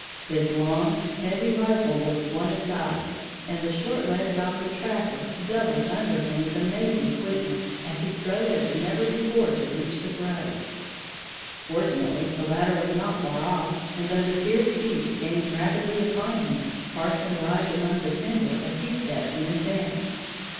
His long, heavy rifle was flung aside, and the short legs of the trapper doubled under him with amazing quickness as he strove as never before to reach the grove. Fortunately the latter was not far off, and, though the fierce beasts gained rapidly upon him, Carson arrived among the timber a few steps in advance.